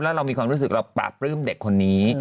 แล้วเรามีความรู้สึกเราปราบปลื้มเด็กคนนี้